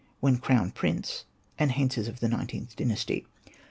when crown prince, and hence is of the XlXth Dynasty.